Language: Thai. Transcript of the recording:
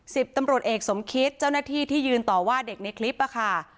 สิบตำรวจเอกสมคิตเจ้าหน้าที่ที่ยืนต่อว่าเด็กในคลิปค่ะ